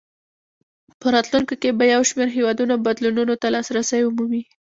په راتلونکو کې به یو شمېر هېوادونه بدلونونو ته لاسرسی ومومي.